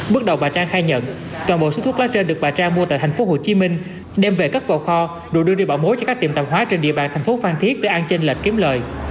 bước đầu bà trang khai nhận toàn bộ số thuốc lá trên được bà trang mua tại thành phố hồ chí minh đem về cất vào kho đủ đưa đi bảo mối cho các tiệm tạm hóa trên địa bàn thành phố phan thiết để an chênh lệch kiếm lợi